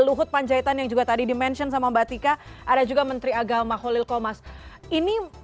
luhut panjaitan yang juga tadi dimension sama batika ada juga menteri agama holil komas ini